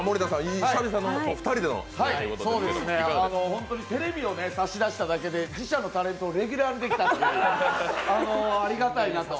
本当にテレビを差し出しただけで、自社のタレントをレギュラーにできたっていうありがたいなと。